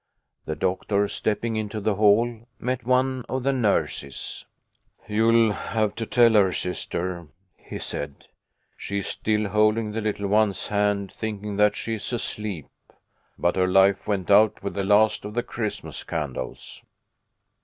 The doctor, stepping into the hall, met one of the nurses. THE LITTLE HAND HELD HERS." A HAPPY CHRISTMAS. 22/ "You'll have to tell her sister," he said. "She is still holding the little one's hand, thinking that she is asleep. But her life went out with the last of the Christmas candles."